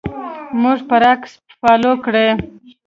موږ پر اکس فالو کړئ